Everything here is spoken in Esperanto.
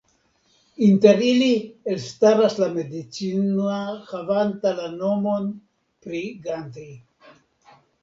Inter ili elstaras la medicina havanta la nomon pri Gandhi.